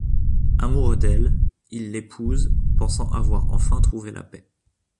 Amoureux d'elle, il l'épouse, pensant avoir enfin trouvé la paix.